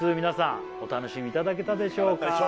皆さんお楽しみいただけたでしょうか？